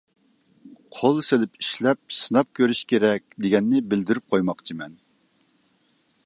قول سېلىپ ئىشلەپ، سىناپ كۆرۈش كېرەك، دېگەننى بىلدۈرۈپ قويماقچىمەن.